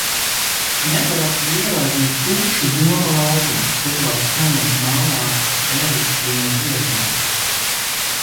Neparasti bija ieraudzīt tukšu Doma laukumu, turklāt skanot melnā erickiņa dziesmai.